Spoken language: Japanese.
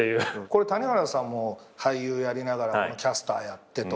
谷原さんも俳優やりながらキャスターやってと。